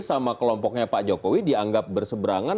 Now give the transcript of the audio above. sama kelompoknya pak jokowi dianggap berseberangan